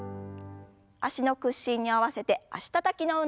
脚の屈伸に合わせて脚たたきの運動です。